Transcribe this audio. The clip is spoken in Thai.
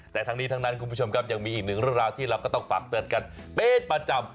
แต่ทั้งนี้ทั้งนั้นคุณผู้ชมครับยังมีอีกหนึ่งเรื่องราวที่เราก็ต้องฝากเตือนกันเป็นประจำ